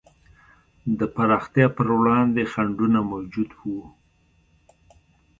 د پراختیا پر وړاندې خنډونه موجود وو.